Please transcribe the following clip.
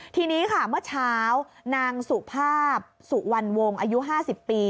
ทีนี้ค่ะเมื่อเช้านางสุภาพสุวรรณวงศ์อายุ๕๐ปี